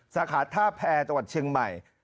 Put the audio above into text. สาขาท่าแพรจังหวัดเชียงใหม่